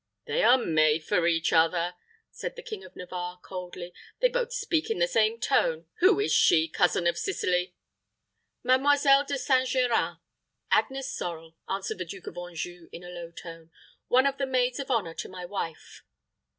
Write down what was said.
"They are made for each other," said the King of Navarre, coldly. "They both speak in the same tone. Who is she, cousin of Sicily?" "Mademoiselle De St. Geran Agnes Sorel," answered the Duke of Anjou, in a low tone. "One of the maids of honor to my wife."